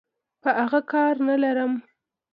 په اغه کار نلرم.